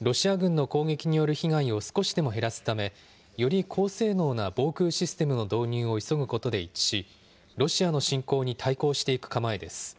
ロシア軍の攻撃による被害を少しでも減らすため、より高性能な防空システムの導入を急ぐことで一致し、ロシアの侵攻に対抗していく構えです。